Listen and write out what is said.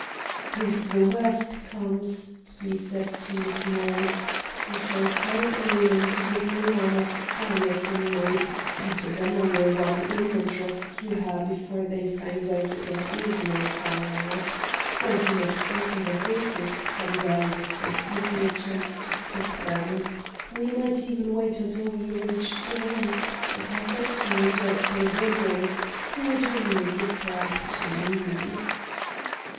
"If the worst comes," he said to Miss Morris, "I shall tell Nolan to give an alarm of fire some night, and then I will run in and rescue her before they find out there is no fire. Or he might frighten the horses some day, and give me a chance to stop them. We might even wait until we reach Greece, and have her carried off by brigands, who would only give her up to me."